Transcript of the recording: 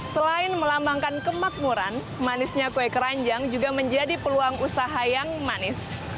selain melambangkan kemakmuran manisnya kue keranjang juga menjadi peluang usaha yang manis